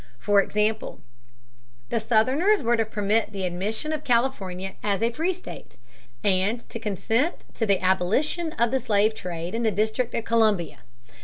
For example, the Southerners were to permit the admission of California as a free state, and to consent to the abolition of the slave trade in the District of Columbia.